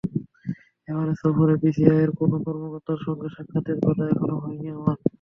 এবারের সফরে বিসিসিআইয়ের কোনো কর্মকর্তার সঙ্গে সাক্ষাতের কথা এখনো হয়নি আমার।